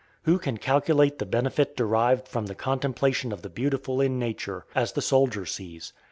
Who can calculate the benefit derived from the contemplation of the beautiful in nature, as the soldier sees?